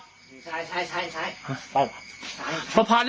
ซ้ายซ้ายซ้ายซ้ายซ้ายซ้ายซ้ายซ้ายซ้ายซ้ายซ้าย